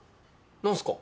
何すか？